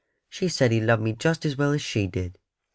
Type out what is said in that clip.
She said He loved me just as well as she did."